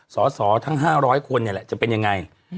สอสอทั้ง๕๐๐คนนี่แหละจะเป็นยังไง